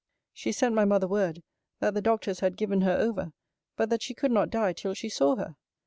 She sent my mother word, that the doctors had given her over: but that she could not die till she saw her.